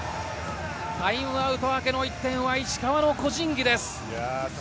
タイムアウト明けの石川の個人技です。